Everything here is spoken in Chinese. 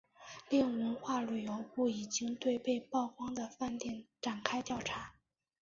另文化和旅游部已经对被曝光的饭店展开调查。